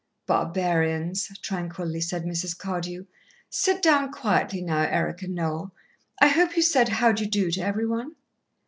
"Barbarians," tranquilly said Mrs. Cardew. "Sit down quietly now, Eric and Noel. I hope you said 'How d' you do' to every one."